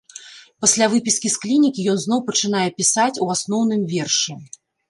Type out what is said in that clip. Пасля выпіскі з клінікі ён зноў пачынае пісаць, у асноўным вершы.